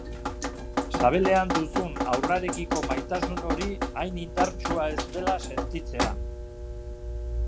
Sabelean duzun haurrarekiko maitasun hori hain indartsua ez dela sentitzea.